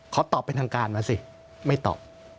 ขอตอบเป็นทางการมาสิไม่ตอบ